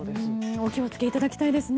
お気をつけいただきたいですね。